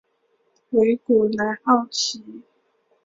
维古莱奥齐。